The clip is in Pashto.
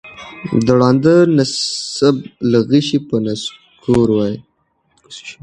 د ړانده نصیب له غشي به نسکور وای